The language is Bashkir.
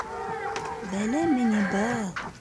— Бәләме ни был?